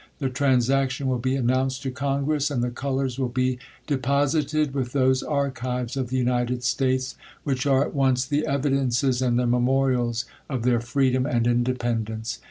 The transaction will be announced to Congress ; and the colours will be depos ited with those archives of the United States, which^ are at once the evidences and the caemorials of their freedom and independence.